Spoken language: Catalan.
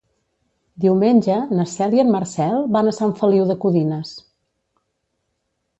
Diumenge na Cel i en Marcel van a Sant Feliu de Codines.